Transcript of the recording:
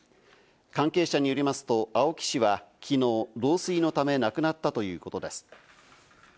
関係者によりますと、青木氏はきのう、老衰のため亡くなったということです。